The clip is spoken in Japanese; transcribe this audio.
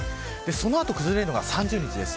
その後、崩れるのが３０日です。